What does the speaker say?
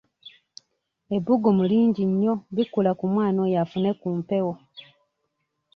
Ebbugumu lingi nnyo bikkula ku mwana oyo afune ku mpewo.